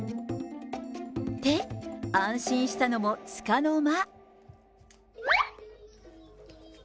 って、安心したのもつかの間。